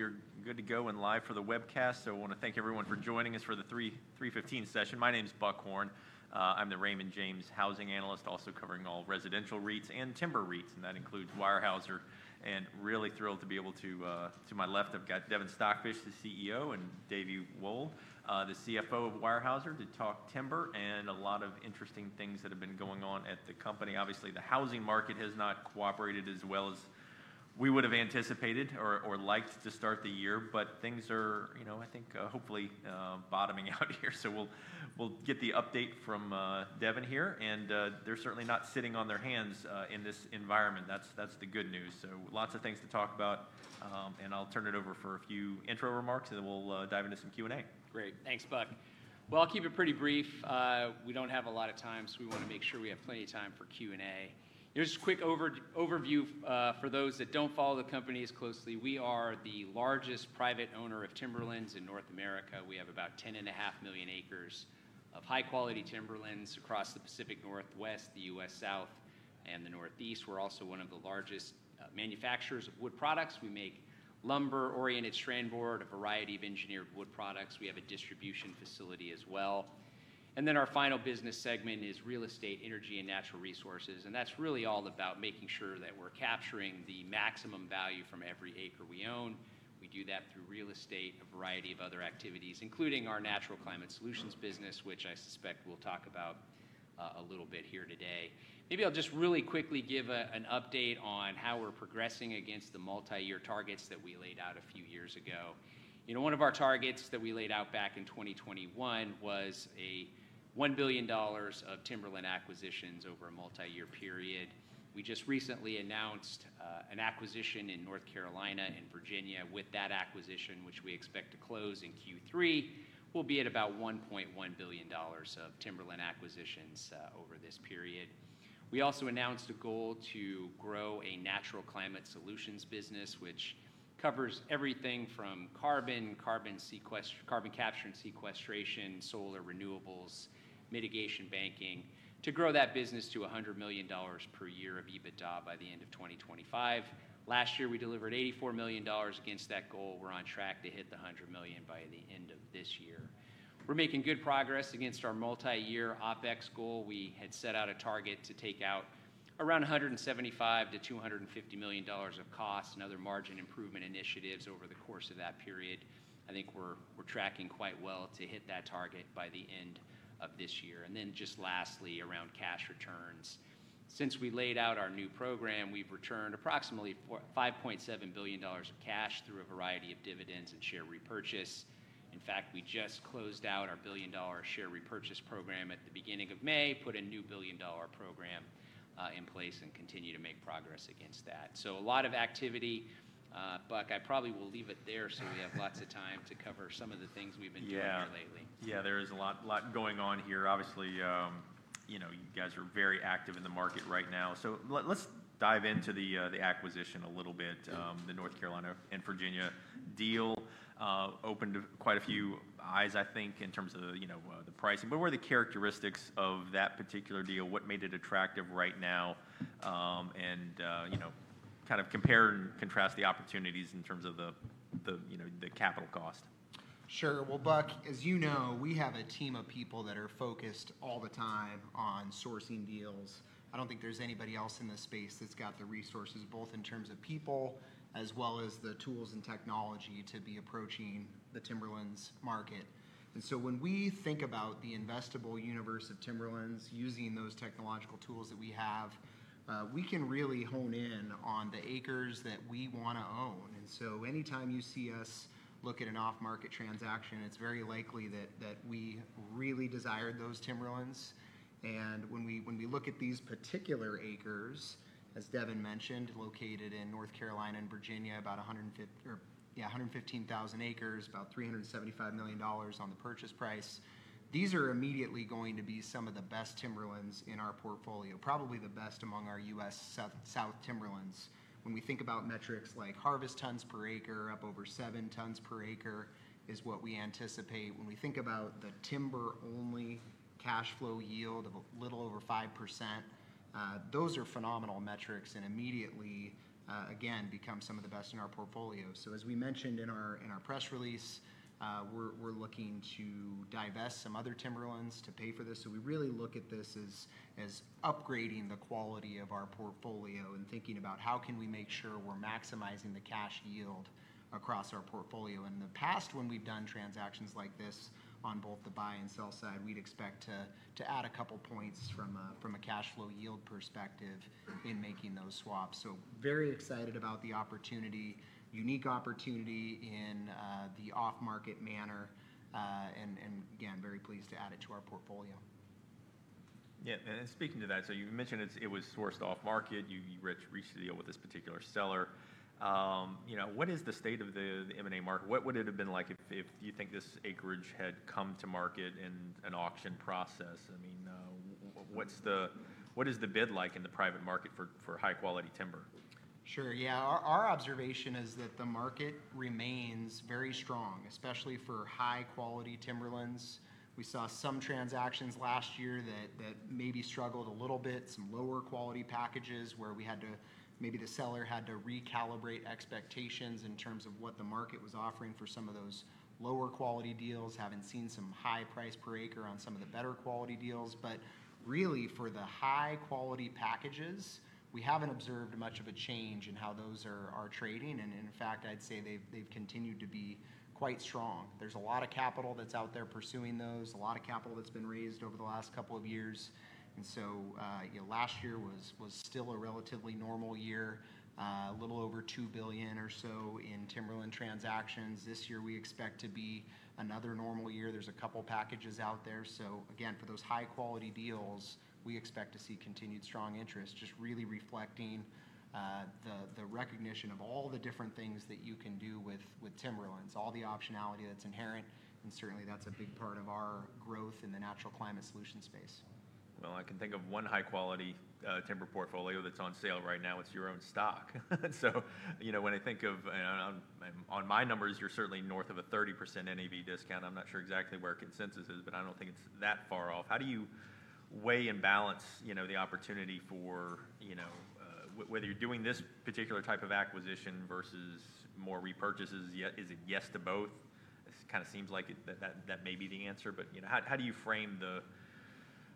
All right. We are good to go and live for the webcast, so I want to thank everyone for joining us for the 3:15 session. My name is Buck Horne. I'm the Raymond James Housing Analyst, also covering all residential REITs and timber REITs, and that includes Weyerhaeuser. Really thrilled to be able to—to my left I've got Devin Stockfish, the CEO, and David Wold, the CFO of Weyerhaeuser, to talk timber and a lot of interesting things that have been going on at the company. Obviously, the housing market has not cooperated as well as we would have anticipated or liked to start the year, but things are, you know, I think hopefully bottoming out here. We'll get the update from Devin here, and they're certainly not sitting on their hands in this environment. That's the good news. Lots of things to talk about, and I'll turn it over for a few intro remarks, and then we'll dive into some Q&A. Great. Thanks, Buck. I'll keep it pretty brief. We do not have a lot of time, so we want to make sure we have plenty of time for Q&A. Here is a quick overview for those that do not follow the company as closely. We are the largest private owner of timberlands in North America. We have about 10.5 million acres of high-quality timberlands across the Pacific Northwest, the U.S. South, and the Northeast. We are also one of the largest manufacturers of wood products. We make lumber, oriented strand board, a variety of engineered wood products. We have a distribution facility as well. Our final business segment is real estate, energy, and natural resources. That is really all about making sure that we are capturing the maximum value from every acre we own. We do that through real estate, a variety of other activities, including our natural climate solutions business, which I suspect we'll talk about a little bit here today. Maybe I'll just really quickly give an update on how we're progressing against the multi-year targets that we laid out a few years ago. You know, one of our targets that we laid out back in 2021 was $1 billion of timberland acquisitions over a multi-year period. We just recently announced an acquisition in North Carolina and Virginia. With that acquisition, which we expect to close in Q3, we'll be at about $1.1 billion of timberland acquisitions over this period. We also announced a goal to grow a natural climate solutions business, which covers everything from carbon, carbon capture and sequestration, solar renewables, mitigation banking, to grow that business to $100 million per year of EBITDA by the end of 2025. Last year, we delivered $84 million against that goal. We're on track to hit the $100 million by the end of this year. We're making good progress against our multi-year OPEX goal. We had set out a target to take out around $175 to $250 million of costs and other margin improvement initiatives over the course of that period. I think we're tracking quite well to hit that target by the end of this year. Lastly, around cash returns. Since we laid out our new program, we've returned approximately $5.7 billion of cash through a variety of dividends and share repurchase. In fact, we just closed out our billion-dollar share repurchase program at the beginning of May, put a new billion-dollar program in place, and continue to make progress against that. A lot of activity. Buck, I probably will leave it there so we have lots of time to cover some of the things we've been doing here lately. Yeah, there is a lot going on here. Obviously, you know, you guys are very active in the market right now. Let's dive into the acquisition a little bit. The North Carolina and Virginia deal opened quite a few eyes, I think, in terms of the pricing. What were the characteristics of that particular deal? What made it attractive right now? You know, kind of compare and contrast the opportunities in terms of the capital cost. Sure. Buck, as you know, we have a team of people that are focused all the time on sourcing deals. I do not think there is anybody else in this space that has the resources, both in terms of people as well as the tools and technology to be approaching the timberlands market. When we think about the investable universe of timberlands, using those technological tools that we have, we can really hone in on the acres that we want to own. Anytime you see us look at an off-market transaction, it is very likely that we really desired those timberlands. When we look at these particular acres, as Devin mentioned, located in North Carolina and Virginia, about 115,000 acres, about $375 million on the purchase price, these are immediately going to be some of the best timberlands in our portfolio, probably the best among our U.S. South timberlands. When we think about metrics like harvest tons per acre, up over 7 tons per acre is what we anticipate. When we think about the timber-only cash flow yield of a little over 5%, those are phenomenal metrics and immediately, again, become some of the best in our portfolio. As we mentioned in our press release, we're looking to divest some other timberlands to pay for this. We really look at this as upgrading the quality of our portfolio and thinking about how can we make sure we're maximizing the cash yield across our portfolio. In the past, when we've done transactions like this on both the buy and sell side, we'd expect to add a couple points from a cash flow yield perspective in making those swaps. Very excited about the opportunity, unique opportunity in the off-market manner, and again, very pleased to add it to our portfolio. Yeah. And speaking to that, you mentioned it was sourced off-market. You reached a deal with this particular seller. You know, what is the state of the M&A market? What would it have been like if you think this acreage had come to market in an auction process? I mean, what's the bid like in the private market for high-quality timber? Sure. Yeah. Our observation is that the market remains very strong, especially for high-quality timberlands. We saw some transactions last year that maybe struggled a little bit, some lower-quality packages where we had to, maybe the seller had to recalibrate expectations in terms of what the market was offering for some of those lower-quality deals, having seen some high price per acre on some of the better-quality deals. Really, for the high-quality packages, we haven't observed much of a change in how those are trading. In fact, I'd say they've continued to be quite strong. There's a lot of capital that's out there pursuing those, a lot of capital that's been raised over the last couple of years. Last year was still a relatively normal year, a little over $2 billion or so in timberland transactions. This year we expect to be another normal year. There's a couple packages out there. Again, for those high-quality deals, we expect to see continued strong interest, just really reflecting the recognition of all the different things that you can do with timberlands, all the optionality that's inherent. Certainly, that's a big part of our growth in the natural climate solutions space. I can think of one high-quality timber portfolio that's on sale right now. It's your own stock. You know, when I think of, on my numbers, you're certainly north of a 30% NAV discount. I'm not sure exactly where consensus is, but I don't think it's that far off. How do you weigh and balance the opportunity for, you know, whether you're doing this particular type of acquisition versus more repurchases? Is it yes to both? It kind of seems like that may be the answer. You know, how do you frame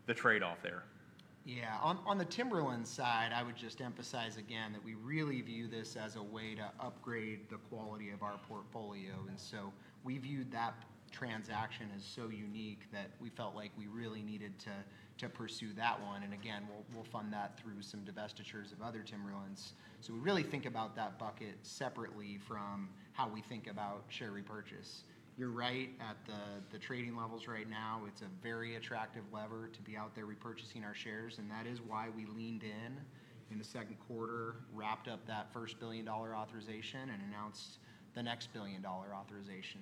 the trade-off there? Yeah. On the timberland side, I would just emphasize again that we really view this as a way to upgrade the quality of our portfolio. We viewed that transaction as so unique that we felt like we really needed to pursue that one. We will fund that through some divestitures of other timberlands. We really think about that bucket separately from how we think about share repurchase. You're right at the trading levels right now. It's a very attractive lever to be out there repurchasing our shares. That is why we leaned in in the second quarter, wrapped up that first $1 billion authorization, and announced the next $1 billion authorization.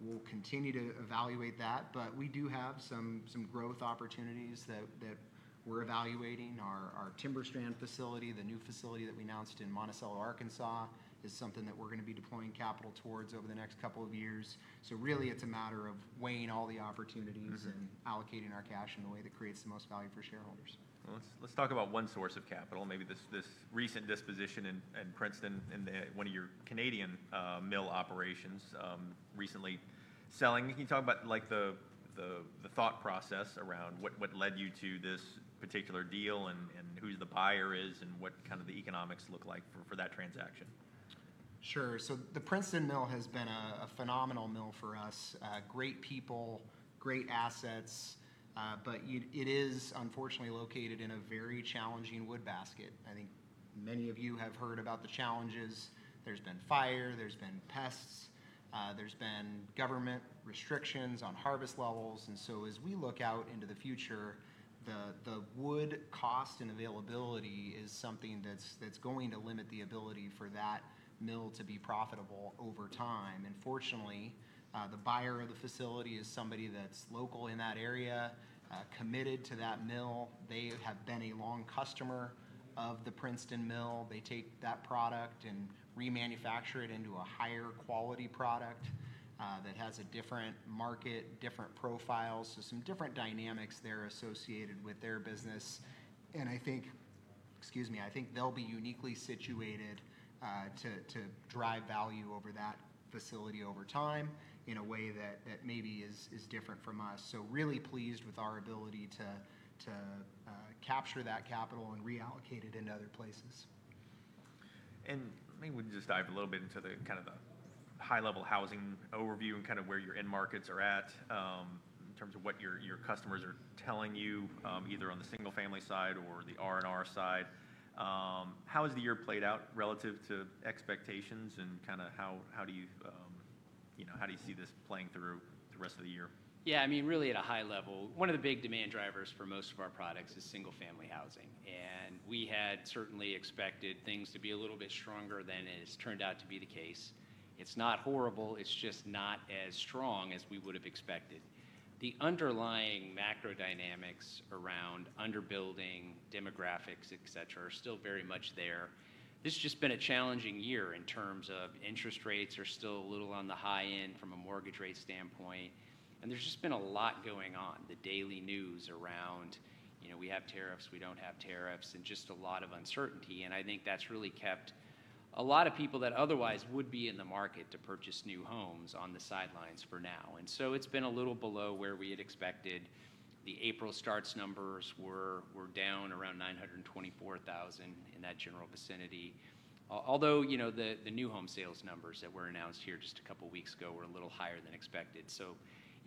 We will continue to evaluate that. We do have some growth opportunities that we're evaluating. Our TimberStrand facility, the new facility that we announced in Monticello, Arkansas, is something that we're going to be deploying capital towards over the next couple of years. Really, it's a matter of weighing all the opportunities and allocating our cash in a way that creates the most value for shareholders. Let's talk about one source of capital, maybe this recent disposition in Princeton in one of your Canadian mill operations recently selling. Can you talk about, like, the thought process around what led you to this particular deal and who the buyer is and what kind of the economics look like for that transaction? Sure. The Princeton mill has been a phenomenal mill for us, great people, great assets. It is, unfortunately, located in a very challenging wood basket. I think many of you have heard about the challenges. There has been fire, there have been pests, there have been government restrictions on harvest levels. As we look out into the future, the wood cost and availability is something that is going to limit the ability for that mill to be profitable over time. Fortunately, the buyer of the facility is somebody that is local in that area, committed to that mill. They have been a long customer of the Princeton mill. They take that product and remanufacture it into a higher-quality product that has a different market, different profiles. There are some different dynamics there associated with their business. I think, excuse me, I think they'll be uniquely situated to drive value over that facility over time in a way that maybe is different from us. Really pleased with our ability to capture that capital and reallocate it into other places. Maybe we can just dive a little bit into the kind of high-level housing overview and kind of where your end markets are at in terms of what your customers are telling you, either on the single-family side or the R&R side. How has the year played out relative to expectations and kind of how do you, you know, how do you see this playing through the rest of the year? Yeah. I mean, really at a high level, one of the big demand drivers for most of our products is single-family housing. We had certainly expected things to be a little bit stronger than it has turned out to be the case. It's not horrible. It's just not as strong as we would have expected. The underlying macro dynamics around underbuilding, demographics, et cetera, are still very much there. This has just been a challenging year in terms of interest rates are still a little on the high end from a mortgage rate standpoint. There has just been a lot going on, the daily news around, you know, we have tariffs, we do not have tariffs, and just a lot of uncertainty. I think that's really kept a lot of people that otherwise would be in the market to purchase new homes on the sidelines for now. It's been a little below where we had expected. The April starts numbers were down around 924,000 in that general vicinity. Although, you know, the new home sales numbers that were announced here just a couple weeks ago were a little higher than expected. So,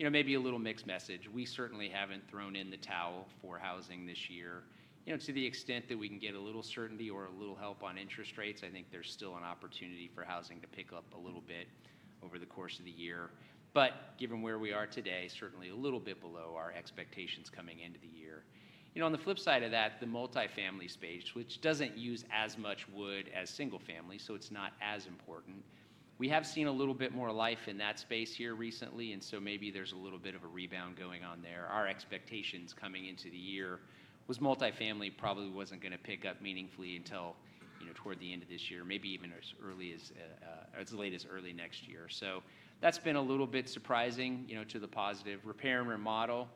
you know, maybe a little mixed message. We certainly haven't thrown in the towel for housing this year. You know, to the extent that we can get a little certainty or a little help on interest rates, I think there's still an opportunity for housing to pick up a little bit over the course of the year. Given where we are today, certainly a little bit below our expectations coming into the year. You know, on the flip side of that, the multi-family space, which doesn't use as much wood as single-family, so it's not as important. We have seen a little bit more life in that space here recently. Maybe there is a little bit of a rebound going on there. Our expectations coming into the year was multi-family probably was not going to pick up meaningfully until, you know, toward the end of this year, maybe even as early as, as late as early next year. That has been a little bit surprising, you know, to the positive. Repair and remodel,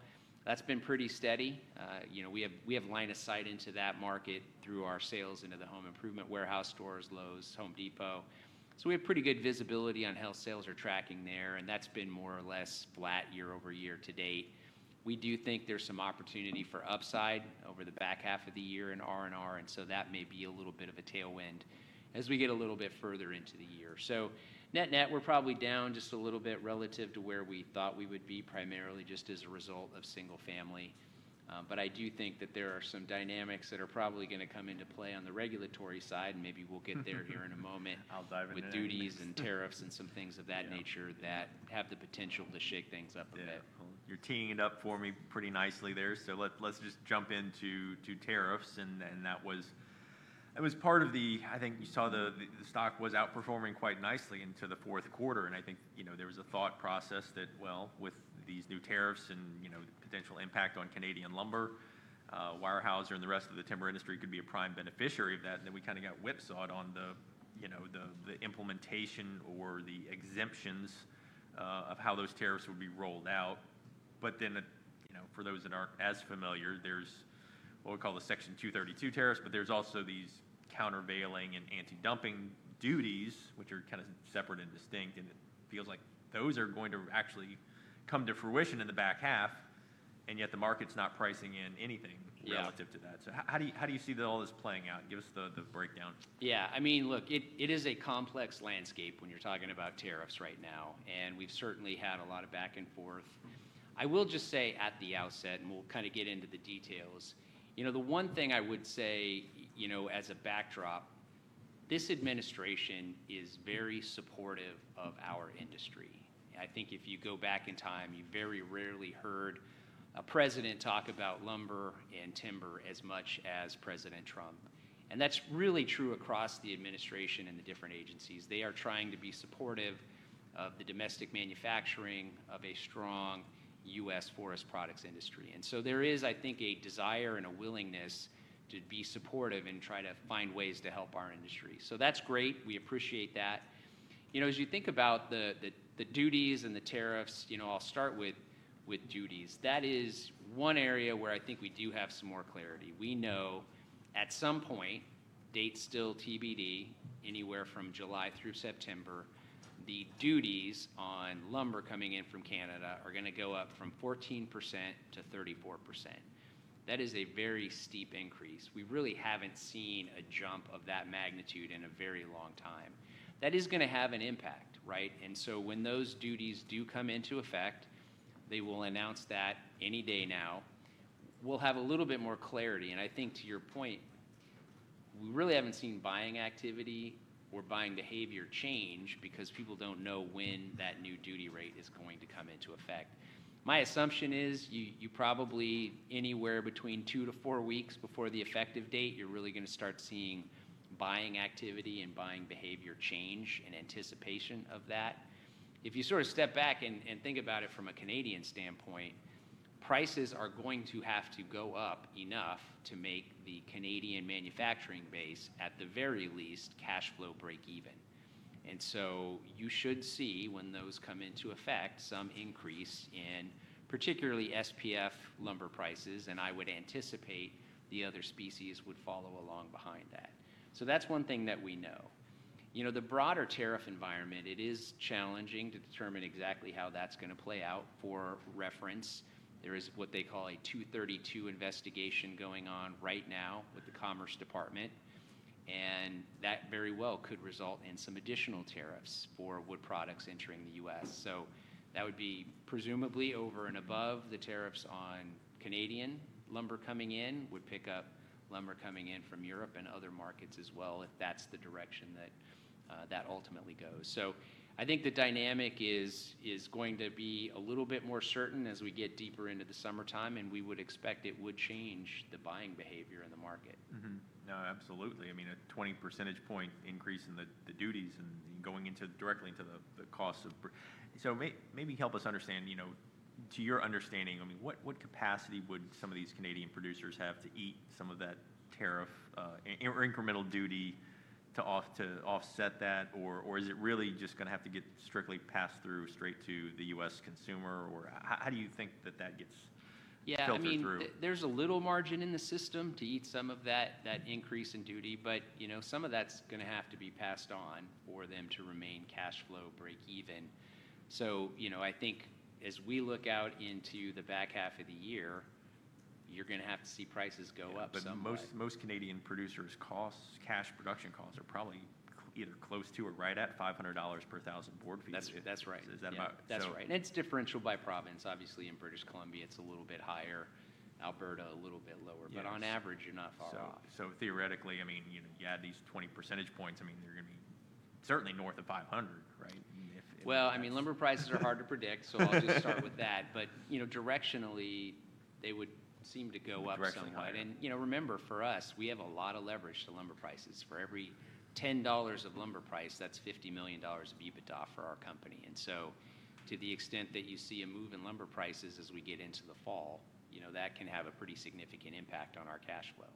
that has been pretty steady. You know, we have lined a sight into that market through our sales into the home improvement warehouse stores, Lowe's, Home Depot. We have pretty good visibility on how sales are tracking there. That has been more or less flat year over year to date. We do think there is some opportunity for upside over the back half of the year in R&R. That may be a little bit of a tailwind as we get a little bit further into the year. Net-net, we're probably down just a little bit relative to where we thought we would be primarily just as a result of single-family. I do think that there are some dynamics that are probably going to come into play on the regulatory side. Maybe we'll get there here in a moment with duties and tariffs and some things of that nature that have the potential to shake things up a bit. You're teeing it up for me pretty nicely there. Let's just jump into tariffs. That was part of the, I think you saw the stock was outperforming quite nicely into the fourth quarter. I think, you know, there was a thought process that, with these new tariffs and, you know, the potential impact on Canadian lumber, Weyerhaeuser and the rest of the timber industry could be a prime beneficiary of that. We kind of got whipsawed on the, you know, the implementation or the exemptions of how those tariffs would be rolled out. For those that aren't as familiar, there's what we call the Section 232 tariffs. There's also these countervailing and anti-dumping duties, which are kind of separate and distinct. It feels like those are going to actually come to fruition in the back half. Yet the market's not pricing in anything relative to that. How do you see all this playing out? Give us the breakdown. Yeah. I mean, look, it is a complex landscape when you're talking about tariffs right now. And we've certainly had a lot of back and forth. I will just say at the outset, and we'll kind of get into the details, you know, the one thing I would say, you know, as a backdrop, this administration is very supportive of our industry. I think if you go back in time, you very rarely heard a president talk about lumber and timber as much as President Trump. That is really true across the administration and the different agencies. They are trying to be supportive of the domestic manufacturing of a strong U.S. forest products industry. There is, I think, a desire and a willingness to be supportive and try to find ways to help our industry. That is great. We appreciate that. You know, as you think about the duties and the tariffs, you know, I'll start with duties. That is one area where I think we do have some more clarity. We know at some point, date still TBD, anywhere from July through September, the duties on lumber coming in from Canada are going to go up from 14% to 34%. That is a very steep increase. We really haven't seen a jump of that magnitude in a very long time. That is going to have an impact, right? When those duties do come into effect, they will announce that any day now. We'll have a little bit more clarity. I think to your point, we really haven't seen buying activity or buying behavior change because people don't know when that new duty rate is going to come into effect. My assumption is you probably anywhere between two to four weeks before the effective date, you're really going to start seeing buying activity and buying behavior change in anticipation of that. If you sort of step back and think about it from a Canadian standpoint, prices are going to have to go up enough to make the Canadian manufacturing base, at the very least, cash flow break even. You should see when those come into effect, some increase in particularly SPF lumber prices. I would anticipate the other species would follow along behind that. That is one thing that we know. You know, the broader tariff environment, it is challenging to determine exactly how that's going to play out. For reference, there is what they call a 232 investigation going on right now with the Commerce Department. That very well could result in some additional tariffs for wood products entering the U.S. That would be presumably over and above the tariffs on Canadian lumber coming in, would pick up lumber coming in from Europe and other markets as well if that is the direction that that ultimately goes. I think the dynamic is going to be a little bit more certain as we get deeper into the summertime. We would expect it would change the buying behavior in the market. No, absolutely. I mean, a 20 percentage point increase in the duties and going directly into the cost of. So maybe help us understand, you know, to your understanding, I mean, what capacity would some of these Canadian producers have to eat some of that tariff or incremental duty to offset that? Or is it really just going to have to get strictly passed through straight to the U.S. consumer? Or how do you think that that gets filtered through? Yeah. I mean, there's a little margin in the system to eat some of that increase in duty. But, you know, some of that's going to have to be passed on for them to remain cash flow break even. So, you know, I think as we look out into the back half of the year, you're going to have to see prices go up somehow. Most Canadian producers' cash production costs are probably either close to or right at $500 per thousand board feet. That's right. Is that about? That's right. It's differential by province. Obviously, in British Columbia, it's a little bit higher. Alberta, a little bit lower. On average, you're not far off. Theoretically, I mean, you add these 20 percentage points, I mean, they're going to be certainly north of 500, right? I mean, lumber prices are hard to predict. So I'll just start with that. But, you know, directionally, they would seem to go up somewhat. Directionally. You know, remember for us, we have a lot of leverage to lumber prices. For every $10 of lumber price, that's $50 million of EBITDA for our company. To the extent that you see a move in lumber prices as we get into the fall, you know, that can have a pretty significant impact on our cash flow.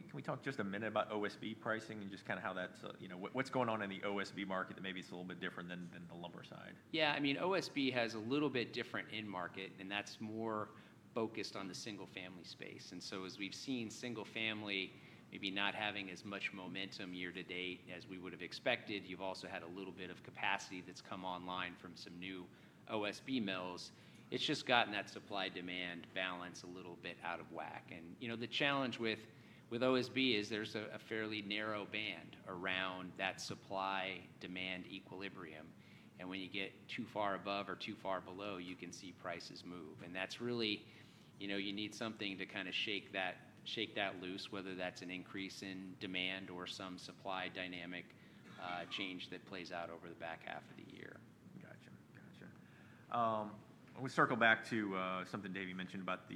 Can we talk just a minute about OSB pricing and just kind of how that's, you know, what's going on in the OSB market that maybe it's a little bit different than the lumber side? Yeah. I mean, OSB has a little bit different end market. That is more focused on the single-family space. As we have seen single-family maybe not having as much momentum year to date as we would have expected, you have also had a little bit of capacity that has come online from some new OSB mills. It has just gotten that supply-demand balance a little bit out of whack. You know, the challenge with OSB is there is a fairly narrow band around that supply-demand equilibrium. When you get too far above or too far below, you can see prices move. That is really, you know, you need something to kind of shake that loose, whether that is an increase in demand or some supply dynamic change that plays out over the back half of the year. Gotcha. Gotcha. We circle back to something David mentioned about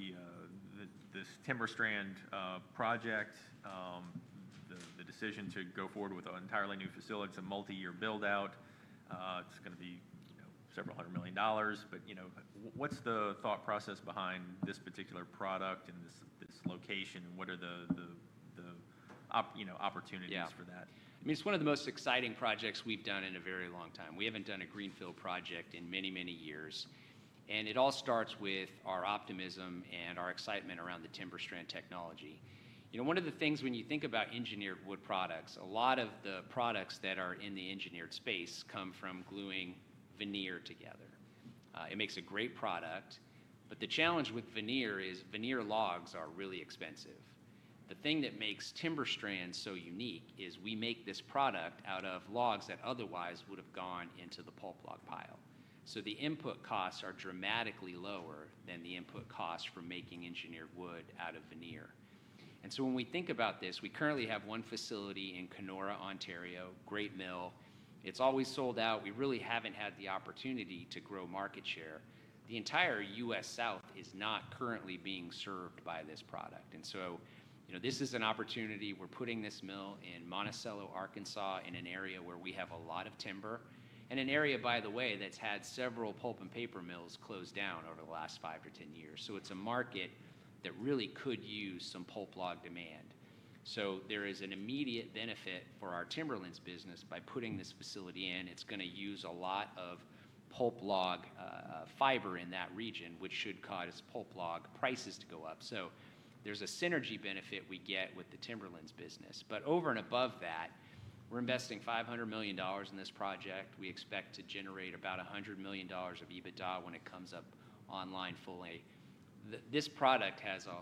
this TimberStrand project, the decision to go forward with an entirely new facility, it's a multi-year build-out. It's going to be, you know, several hundred million dollars. You know, what's the thought process behind this particular product in this location? And what are the, you know, opportunities for that? Yeah. I mean, it's one of the most exciting projects we've done in a very long time. We haven't done a greenfield project in many, many years. It all starts with our optimism and our excitement around the TimberStrand technology. You know, one of the things when you think about engineered wood products, a lot of the products that are in the engineered space come from gluing veneer together. It makes a great product. The challenge with veneer is veneer logs are really expensive. The thing that makes TimberStrand so unique is we make this product out of logs that otherwise would have gone into the pulp log pile. The input costs are dramatically lower than the input costs for making engineered wood out of veneer. When we think about this, we currently have one facility in Kenora, Ontario, great mill. It's always sold out. We really haven't had the opportunity to grow market share. The entire U.S. South is not currently being served by this product. And so, you know, this is an opportunity. We're putting this mill in Monticello, Arkansas, in an area where we have a lot of timber. And an area, by the way, that's had several pulp and paper mills closed down over the last five or ten years. It is a market that really could use some pulp log demand. There is an immediate benefit for our Timberlands business by putting this facility in. It's going to use a lot of pulp log fiber in that region, which should cause pulp log prices to go up. There is a synergy benefit we get with the Timberlands business. Over and above that, we're investing $500 million in this project. We expect to generate about $100 million of EBITDA when it comes up online fully. This product has a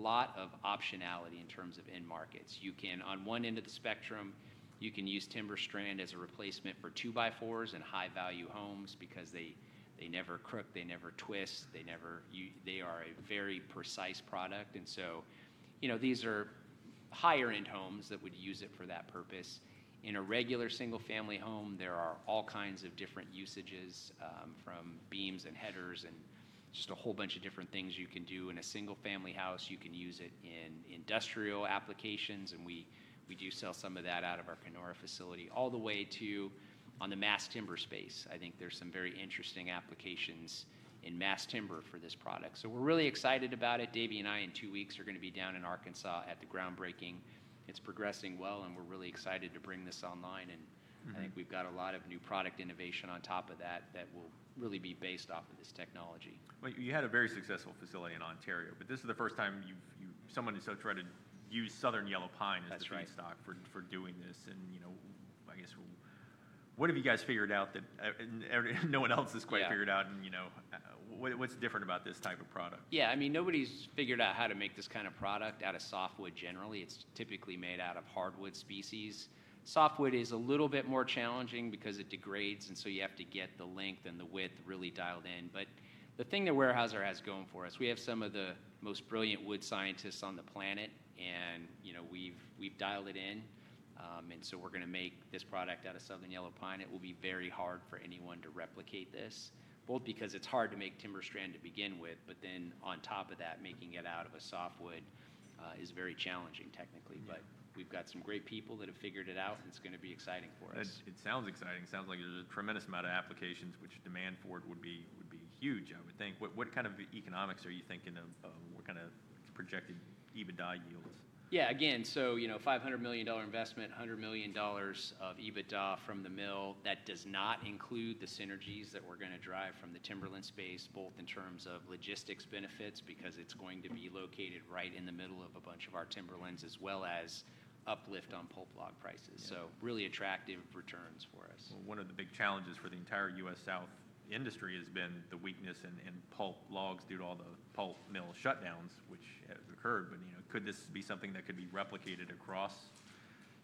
lot of optionality in terms of end markets. You can, on one end of the spectrum, you can use TimberStrand as a replacement for two-by-fours in high-value homes because they never crook, they never twist, they never are a very precise product. You know, these are higher-end homes that would use it for that purpose. In a regular single-family home, there are all kinds of different usages from beams and headers and just a whole bunch of different things you can do. In a single-family house, you can use it in industrial applications. We do sell some of that out of our Kenora facility all the way to, on the mass timber space, I think there are some very interesting applications in mass timber for this product. We're really excited about it. David and I, in two weeks, are going to be down in Arkansas at the groundbreaking. It's progressing well. We're really excited to bring this online. I think we've got a lot of new product innovation on top of that that will really be based off of this technology. You had a very successful facility in Ontario. This is the first time someone has tried to use southern yellow pine as the trade stock for doing this. And, you know, I guess, what have you guys figured out that no one else has quite figured out? You know, what's different about this type of product? Yeah. I mean, nobody's figured out how to make this kind of product out of softwood generally. It's typically made out of hardwood species. Softwood is a little bit more challenging because it degrades. You have to get the length and the width really dialed in. The thing that Weyerhaeuser has going for us, we have some of the most brilliant wood scientists on the planet. You know, we've dialed it in. We're going to make this product out of southern yellow pine. It will be very hard for anyone to replicate this, both because it's hard to make TimberStrand to begin with, but then on top of that, making it out of a softwood is very challenging technically. We've got some great people that have figured it out. It's going to be exciting for us. It sounds exciting. It sounds like there's a tremendous amount of applications which demand for it would be huge, I would think. What kind of economics are you thinking of? What kind of projected EBITDA yields? Yeah. Again, so, you know, $500 million investment, $100 million of EBITDA from the mill. That does not include the synergies that we're going to drive from the Timberlands space, both in terms of logistics benefits because it's going to be located right in the middle of a bunch of our Timberlands, as well as uplift on pulp log prices. Really attractive returns for us. One of the big challenges for the entire U.S. South industry has been the weakness in pulp logs due to all the pulp mill shutdowns, which have occurred. But, you know, could this be something that could be replicated across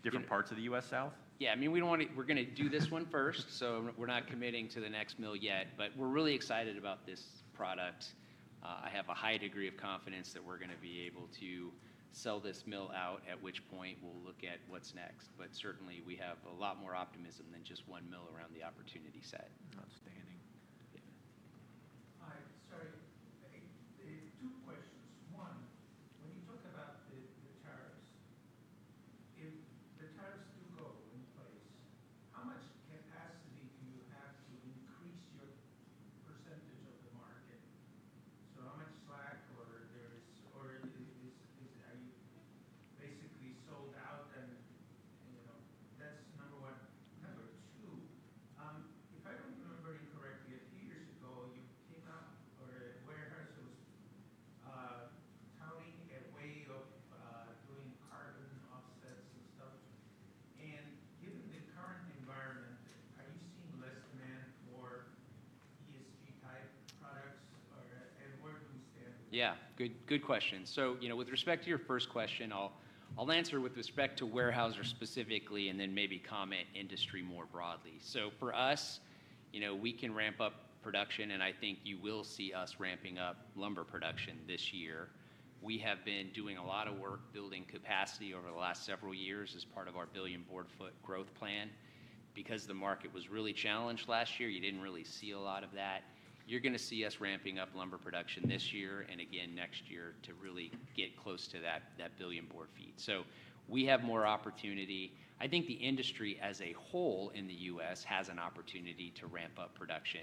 different parts of the U.S. South? Yeah. I mean, we do not want to, we are going to do this one first. We are not committing to the next mill yet. We are really excited about this product. I have a high degree of confidence that we are going to be able to sell this mill out, at which point we will look at what is next. Certainly, we have a lot more optimism than just one mill around the opportunity set. Outstanding. You are going to see us ramping up lumber production this year and again next year to really get close to that billion board feet. We have more opportunity. I think the industry as a whole in the U.S. has an opportunity to ramp up production.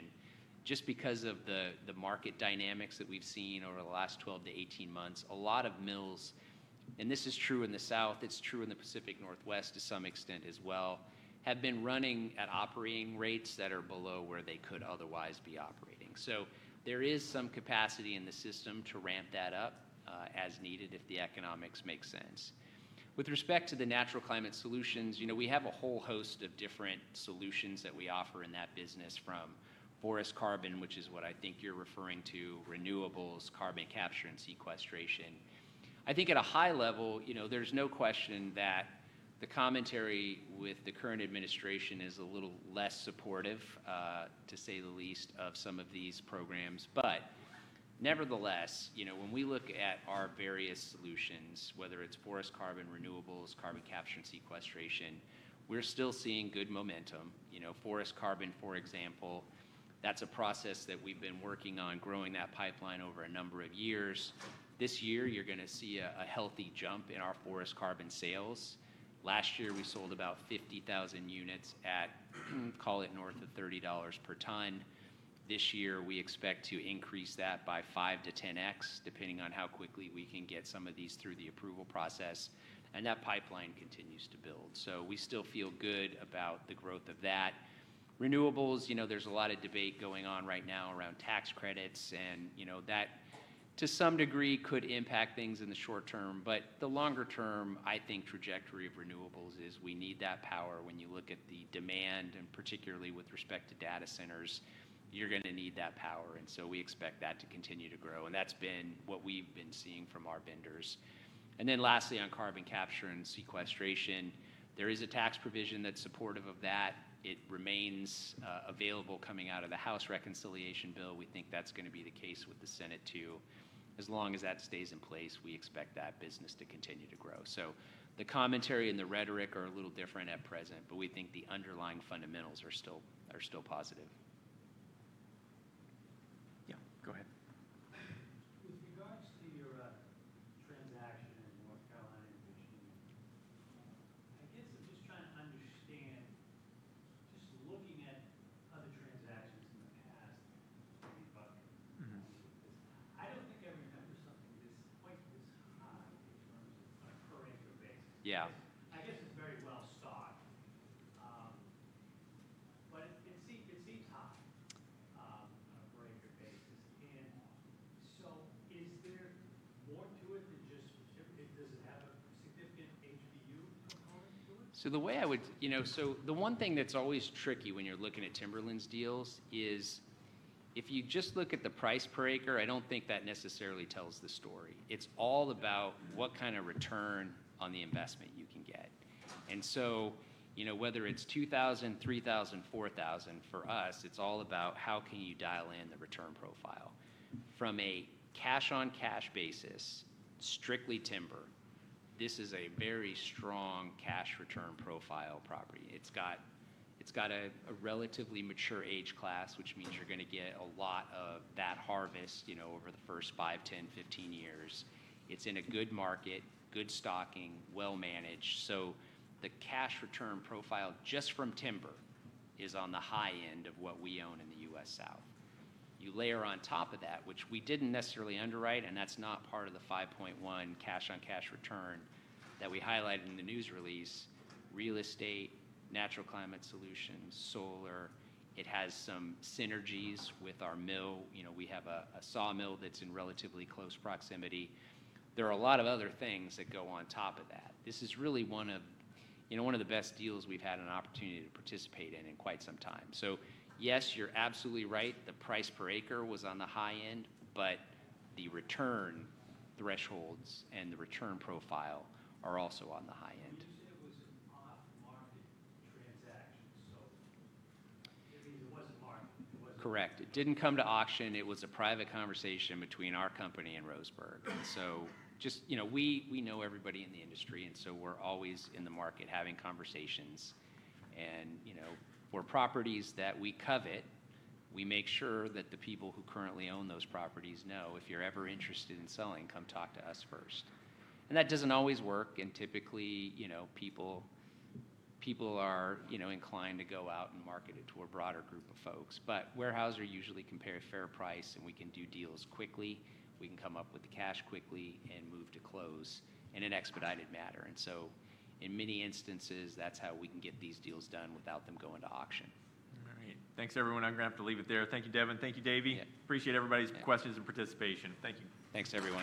Just because of the market dynamics that we've seen over the last 12 to 18 months, a lot of mills—and this is true in the South, it's true in the Pacific Northwest to some extent as well—have been running at operating rates that are below where they could otherwise be operating. There is some capacity in the system to ramp that up as needed if the economics make sense. With respect to the natural climate solutions, you know, we have a whole host of different solutions that we offer in that business from forest carbon, which is what I think you're referring to, renewables, carbon capture, and sequestration. I think at a high level, you know, there's no question that the commentary with the current administration is a little less supportive, to say the least, of some of these programs. Nevertheless, you know, when we look at our various solutions, whether it's forest carbon, renewables, carbon capture, and sequestration, we're still seeing good momentum. You know, forest carbon, for example, that's a process that we've been working on growing that pipeline over a number of years. This year, you're going to see a healthy jump in our forest carbon sales. Last year, we sold about 50,000 units at, call it north of $30 per ton. This year, we expect to increase that by 5-10X, depending on how quickly we can get some of these through the approval process. That pipeline continues to build. We still feel good about the growth of that. Renewables, you know, there's a lot of debate going on right now around tax credits. You know, that to some degree could impact things in the short term. The longer term, I think, trajectory of renewables is we need that power. When you look at the demand, and particularly with respect to data centers, you're going to need that power. We expect that to continue to grow. That's been what we've been seeing from our vendors. Lastly, on carbon capture and sequestration, there is a tax provision that's supportive of that. It remains available coming out of the House reconciliation bill. We think that's going to be the case with the Senate too. As long as that stays in place, we expect that business to continue to grow. The commentary and the rhetoric are a little different at present. We think the underlying fundamentals are still positive. Yeah. Go ahead. With regards to your transaction in North Carolina and Virginia, I guess I'm just trying to understand, just looking at other transactions in the past, I don't think I remember something quite this high in terms of a per acre basis. Yeah. I guess it's very well stocked. It seems high on a per acre basis. Is there more to it than just does it have a significant HBU component to it? The way I would, you know, the one thing that's always tricky when you're looking at Timberlands deals is if you just look at the price per acre, I do not think that necessarily tells the story. It's all about what kind of return on the investment you can get. You know, whether it's $2,000, $3,000, $4,000 for us, it's all about how can you dial in the return profile. From a cash-on-cash basis, strictly timber, this is a very strong cash return profile property. It's got a relatively mature age class, which means you're going to get a lot of that harvest, you know, over the first 5, 10, 15 years. It's in a good market, good stocking, well-managed. The cash return profile just from timber is on the high end of what we own in the U.S. South. You layer on top of that, which we did not necessarily underwrite, and that is not part of the $5.1 cash-on-cash return that we highlighted in the news release, real estate, natural climate solutions, solar. It has some synergies with our mill. You know, we have a saw mill that is in relatively close proximity. There are a lot of other things that go on top of that. This is really one of, you know, one of the best deals we have had an opportunity to participate in in quite some time. Yes, you are absolutely right. The price per acre was on the high end. The return thresholds and the return profile are also on the high end. You said it was an off-market transaction. So it wasn't market. It wasn't. Correct. It did not come to auction. It was a private conversation between our company and Roseburg. Just, you know, we know everybody in the industry. We are always in the market having conversations. For properties that we covet, we make sure that the people who currently own those properties know if you are ever interested in selling, come talk to us first. That does not always work. Typically, people are inclined to go out and market it to a broader group of folks. Weyerhaeuser usually compares fair price, and we can do deals quickly. We can come up with the cash quickly and move to close in an expedited manner. In many instances, that is how we can get these deals done without them going to auction. All right. Thanks, everyone. I'm going to have to leave it there. Thank you, Devin. Thank you, David. Appreciate everybody's questions and participation. Thank you. Thanks, everyone.